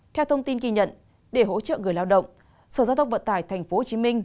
theo thông tin kỳ nhận để hỗ trợ người lao động sở giao thông vận tải tp hcm